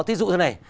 thí dụ thế này